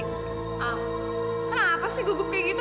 kenapa sih gugup seperti itu